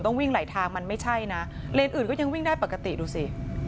วิ่งไหลทางมันไม่ใช่นะเลนอื่นก็ยังวิ่งได้ปกติดูสิ